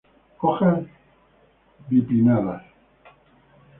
Hojas bipinnadas.